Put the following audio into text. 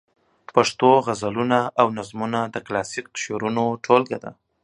پښتو غزلونه او نظمونه د کلاسیک شعرونو ټولګه ده.